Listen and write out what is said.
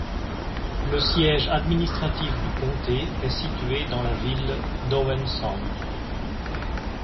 Le siège administratif du comté est situé dans la ville d'Owen Sound.